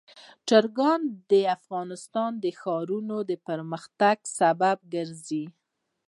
چرګان د افغانستان د ښاري پراختیا سبب کېږي.